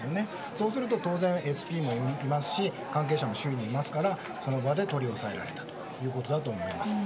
そうすると当然、ＳＰもいますし関係者も周囲にいますからその場で取り押さえられたということだと思います。